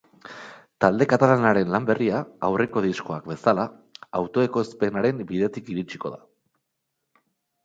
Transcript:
Talde katalanaren lan berria, aurreko diskoak bezala, autoekoizpenaren bidetik iritsiko da.